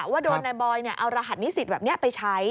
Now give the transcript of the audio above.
ว่าโดนนายบอยเอารหัสนิสิตแบบนี้ไปใช้